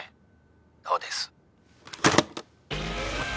どうです？」